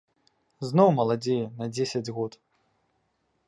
Зноў маладзее на дзесяць год.